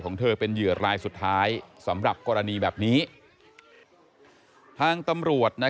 เธอเป็นเหยื่อรายสุดท้ายสำหรับกรณีแบบนี้ทางตำรวจนะ